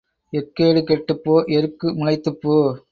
எக்கேடு கெட்டுப் போ எருக்கு முளைத்துப் போ.